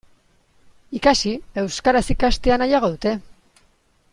Ikasi, euskaraz ikastea nahiago dute.